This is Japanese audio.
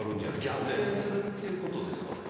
逆転するっていうことですかね？